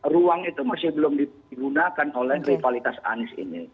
ruang itu masih belum digunakan oleh rivalitas anies ini